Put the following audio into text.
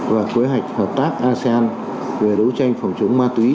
và kế hoạch hợp tác asean về đấu tranh phòng chống ma túy